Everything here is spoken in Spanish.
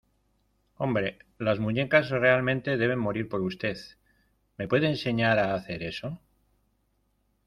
Hombre, las muñecas realmente deben morir por usted. ¿ Me puede enseñar a hacer eso? .